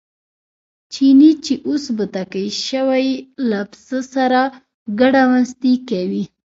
چیني چې اوس بوتکی شوی له پسه سره ګډه مستي کوي.